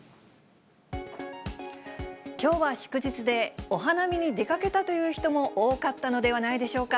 きょうは祝日で、お花見に出かけたという人も多かったのではないでしょうか。